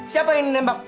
siapa yang nembak